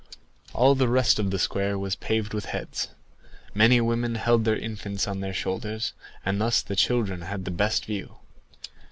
All the rest of the square was paved with heads. Many women held their infants on their shoulders, and thus the children had the best view.